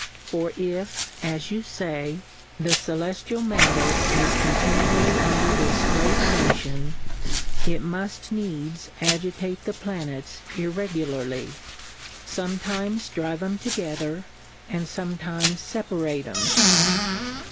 For ili ( as you fay ) the Ceieftial Matter is continually under this great Motion, it muft needs agitate the Planets irregu larly ; fometimes drive 'em together, and fometimes feparate'em.